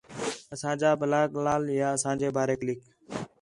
اَساں جا بلاگ لال یا اساں جے باریک لِکھ